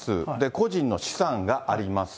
個人の資産があります。